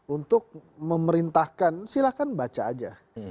untuk memerintahkan silahkan baca aja